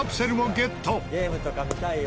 「ゲームとか見たいよ」